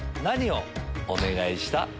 何をお願いした？